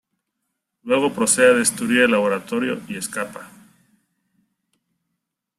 Luego procede a destruir el laboratorio y escapa.